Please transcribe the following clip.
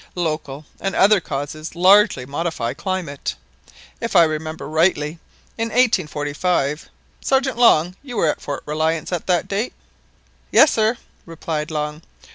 Local and other causes largely modify climate. If I remember rightly in 1845 ... Sergeant Long, you were at Fort Reliance at that date? "Yes, sir," replied Long.